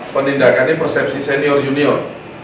penindakannya persepsi senior junior